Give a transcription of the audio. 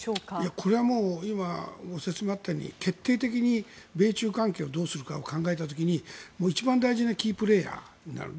これは今、ご説明があったように決定的に米中関係をどうするかを考えた時に一番大事なキープレーヤーになる。